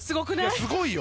すごいよ！